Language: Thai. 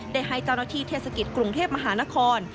ได้ให้เจ้าหน้าที่เทศกิจกรุงเทพมหานคร